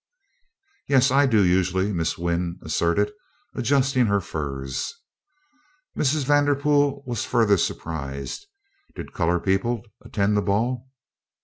"Yes, I do usually," Miss Wynn asserted, adjusting her furs. Mrs. Vanderpool was further surprised. Did colored people attend the ball?